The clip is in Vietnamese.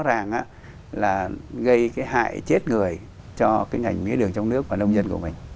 rõ ràng là gây cái hại chết người cho cái ngành mía đường trong nước và nông dân của mình